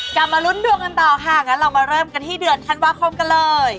กลับมาลุ้นดวงกันต่อค่ะงั้นเรามาเริ่มกันที่เดือนธันวาคมกันเลย